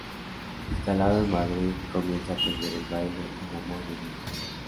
Instalado en Madrid comienza a aprender el baile en "Amor de Dios".